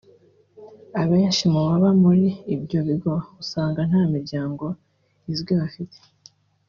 Abenshi mu baba muri ibyo bigo usanga nta miryango izwi bafite